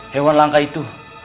hewan langka itu